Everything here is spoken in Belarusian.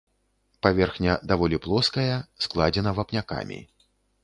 Паверхня даволі плоская, складзена вапнякамі.